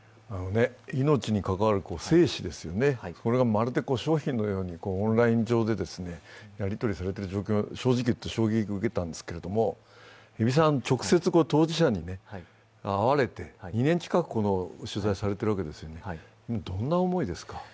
命に関わる精子ですよね、それがまるで商品のようにオンライン上でやりとりされている状況は正直言って衝撃を受けたんですけど、海老さん、直接、当事者に会われて２年近く、この取材されていますがどんな思いですか？